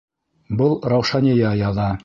Был Раушания яҙа.